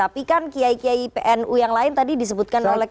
jadi kan kiai kiai pnu yang lain tadi disebutkan oleh ketua pbnu